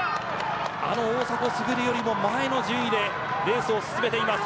あの大迫よりも前の順位でレースを進めています。